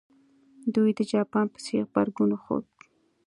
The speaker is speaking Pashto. دوی د جاپان په څېر غبرګون وښود.